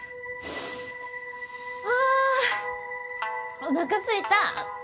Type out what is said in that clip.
あおなかすいた！